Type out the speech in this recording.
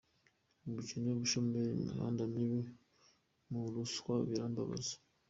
Ubukene, ubushomeri, imihanda mibi na ruswa birambabaza.